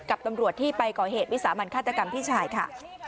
กับตำรวจที่ไปก่อเหตุวิสามันฆาตกรรมพี่ชายค่ะ